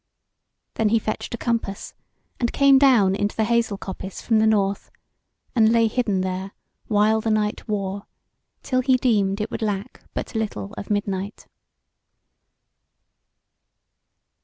Then he fetched a compass, and came down into the hazel coppice from the north, and lay hidden there while the night wore, till he deemed it would lack but little of midnight.